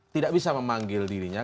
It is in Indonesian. tidak bisa memanggil dirinya